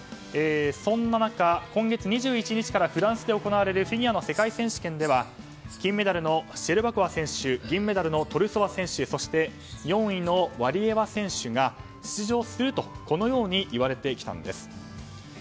そんな中、今月２１日からフランスで行われるフィギュアの世界選手権では金メダルのシェルバコワ選手銀メダルのトルソワ選手そして、４位のワリエワ選手が出場するといわれてきたんです。